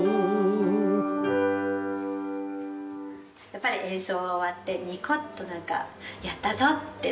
やっぱり演奏が終わってニコッとやったぞって